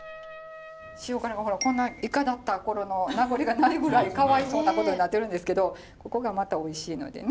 塩辛がほらこんなイカだった頃の名残がないぐらいかわいそうなことになってるんですけどここがまたおいしいのでね。